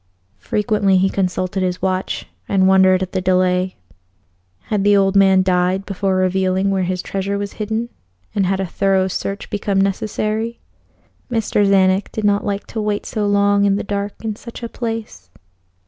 Frequently he consulted his watch, and wondered at the delay. Had the old man died before revealing where his treasure was hidden, and had a thorough search become necessary? Mr. Czanek did not like to wait so long in the dark in such a place.